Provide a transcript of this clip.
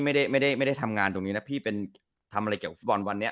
ไม่ได้ไม่ได้ทำงานตรงนี้นะพี่เป็นทำอะไรเกี่ยวกับฟุตบอลวันนี้